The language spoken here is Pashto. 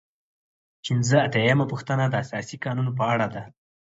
پنځه اتیا یمه پوښتنه د اساسي قانون په اړه ده.